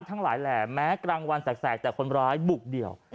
ทั้งหลายแหล่แม้กลางวันแสกแต่คนร้ายบุกเดี่ยว